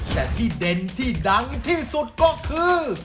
แต่ที่เด่นที่ดังที่สุดก็คือ